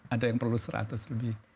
ada yang perlu seratus lebih